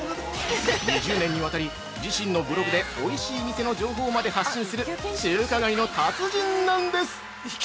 ２０年に渡り、自身のブログでおいしい店の情報まで発信する中華街の達人なんです。